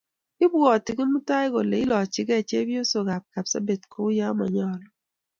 Ibwoti Kimutai kole ilochigei chepyosok ab Kapsabet kouyo manyolu